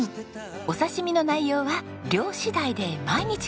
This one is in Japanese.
お刺し身の内容は漁次第で毎日変わります。